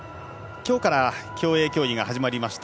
きょうから競泳競技が始まりました。